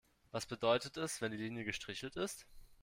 Was bedeutet es, wenn die Linie gestrichelt ist?